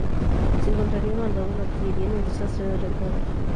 Se encontraría mandando la artillería en el desastre de Rancagua.